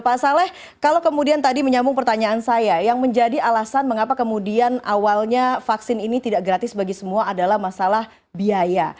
pak saleh kalau kemudian tadi menyambung pertanyaan saya yang menjadi alasan mengapa kemudian awalnya vaksin ini tidak gratis bagi semua adalah masalah biaya